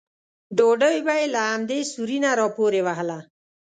ډوډۍ به یې له همدې سوري نه راپورې وهله.